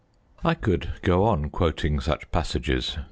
I could go on quoting such passages.